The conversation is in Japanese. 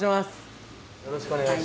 よろしくお願いします。